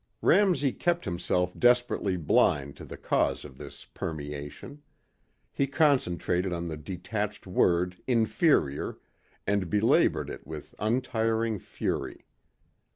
Ramsey kept himself desperately blind to the cause of this permeation. He concentrated on the detached word "inferior" and belabored it with untiring fury.